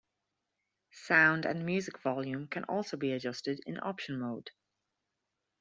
Sound and Music volume can also be adjusted in Option Mode.